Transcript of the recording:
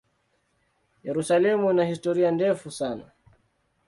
Yerusalemu ina historia ndefu sana.